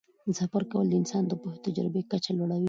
د سفر کول د انسان د پوهې او تجربې کچه لوړوي.